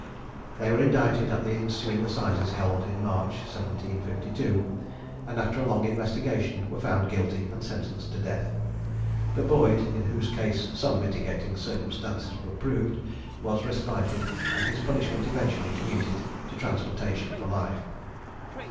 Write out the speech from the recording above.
They were indicted at the ensuing assizes held in March, 1752, and after a long investigation, were found guilty and sentenced to death; but Boyd, in whose case some mitigating circumstances were proved, was respited, and his punishment eventually commuted to transportation for life.